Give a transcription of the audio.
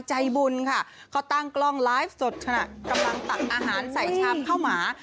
ใจบุญค่ะเขาตั้งกล้องไลฟ์สดขณะกำลังตักอาหารใส่ชามข้าวหมา